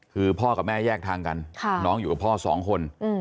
คือพ่อกับแม่แยกทางกันน้องอยู่กับพ่อสองคน